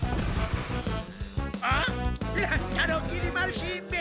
あっ乱太郎きり丸しんべヱ！